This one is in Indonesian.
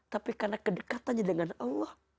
tapi karena kedekatannya dengan allah